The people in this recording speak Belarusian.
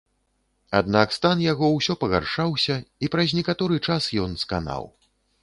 Аднак стан яго ўсё пагаршаўся і праз некаторы час ён сканаў.